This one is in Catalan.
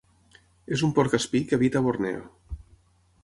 És un porc espí que habita a Borneo.